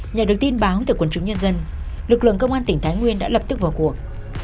nhờ được tin báo từ quần chúng nhân dân lực lượng công an tỉnh thái nguyên đã lập tức vào cuộc